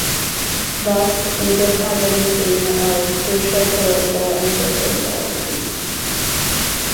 Thus, Egypt had been the scene of crucial political and social developments.